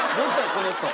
この人。